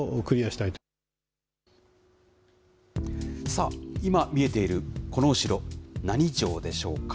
さあ、今見えているこのお城、何城でしょうか？